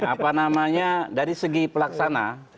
apa namanya dari segi pelaksana